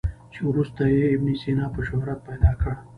چې وروسته یې ابن سینا په شهرت پیدا کړ.